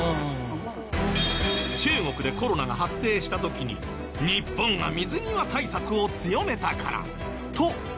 中国でコロナが発生した時に日本が水際対策を強めたからと見られています。